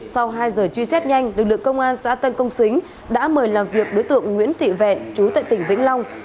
sau hai giờ truy xét nhanh lực lượng công an xã tân công xính đã mời làm việc đối tượng nguyễn thị vẹn chú tại tỉnh vĩnh long